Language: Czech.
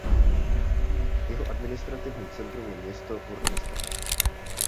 Jeho administrativním centrem je město Worcester.